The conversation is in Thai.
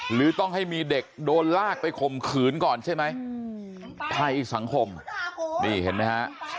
หรือต้องให้มีเด็กโดนลากไปข่มขืนก่อนใช่ไหมภัยสังคมนี่เห็นไหมฮะ